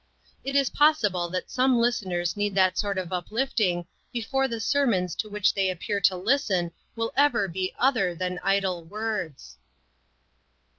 It is possible that some listeners need that sort of uplifting before the sermons to which they appear to listen will ever be other than idle words.